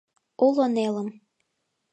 Уло нелым